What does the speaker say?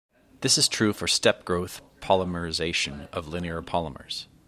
This is true for step-growth polymerization of linear polymers.